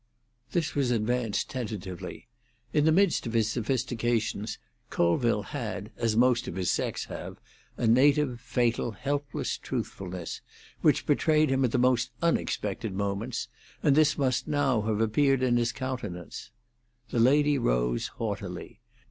This was advanced tentatively. In the midst of his sophistications Colville had, as most of his sex have, a native, fatal, helpless truthfulness, which betrayed him at the most unexpected moments, and this must now have appeared in his countenance. The lady rose haughtily.